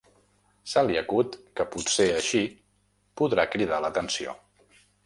Se li acut que potser així podrà cridar l'atenció.